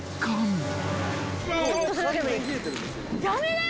やめなよ！